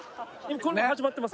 これ始まってます